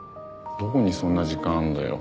どこにそんな時間あるんだよ。